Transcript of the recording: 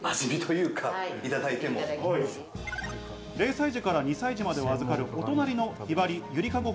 ０歳児から２歳児までを預かるお隣のひばりゆりかご